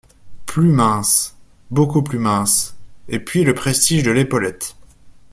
Plus mince… beaucoup plus mince… et puis le prestige de l’épaulette !